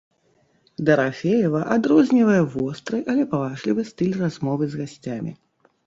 Дарафеева адрознівае востры, але паважлівы стыль размовы з гасцямі.